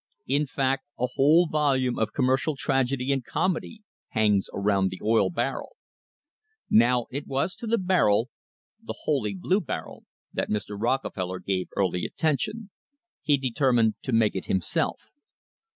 In fact, a whole volume of commercial tragedy and comedy hangs around the oil barrel. Now it was to the barrel the "holy blue barrel" that Mr. Rockefeller gave early attention. He determined to make it himself.